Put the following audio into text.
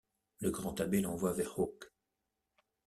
Le grand abbé l'envoie vers Hawk.